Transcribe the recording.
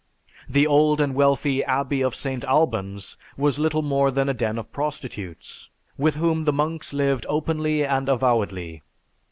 The old and wealthy Abbey of St. Albans was little more than a den of prostitutes, with whom the monks lived openly and avowedly.